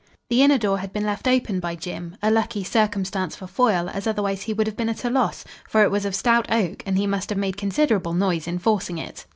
The inner door had been left open by Jim, a lucky circumstance for Foyle, as otherwise he would have been at a loss, for it was of stout oak and he must have made considerable noise in forcing it.